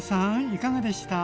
いかがでした？